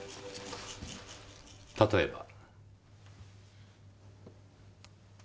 例えば。